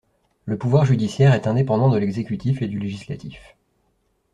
Le pouvoir judiciaire est indépendant de l'exécutif et du législatif.